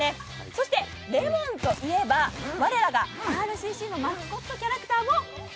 そしてレモンといえば我らがＲＣＣのマスコットもジャン！